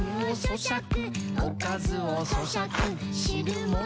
「そしゃく